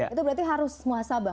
itu berarti harus muasabah